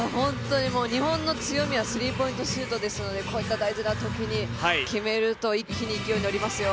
日本の強みはスリーポイントシュートなのでこういった大事なときに決めると一気に勢いに乗りますよ。